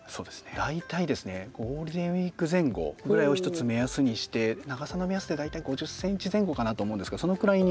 大体ゴールデンウィーク前後ぐらいを一つ目安にして長さの目安で大体５０ｃｍ前後かなと思うんですがそのくらいに。